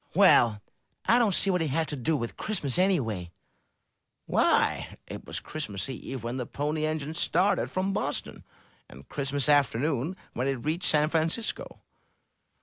"Well, I don't see what it had to do with Christmas, anyway." "Why, it was Christmas Eve when the Pony Engine started from Boston, and Christmas afternoon when it reached San Francisco."